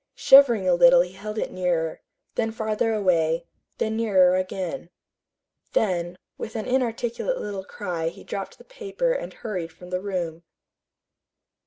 Shivering a little he held it nearer, then farther away, then nearer again. Then, with an inarticulate little cry he dropped the paper and hurried from the room.